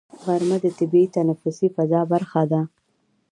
غرمه د طبیعي تنفسي فضا برخه ده